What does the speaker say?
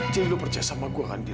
jadi lo percaya sama gue kan dil